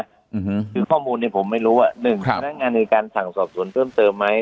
คือข้อมูลเนี้ยผมไม่รู้ว่าหนึ่งพนักงานในการสั่งสอบสวนเพิ่มเติมไหม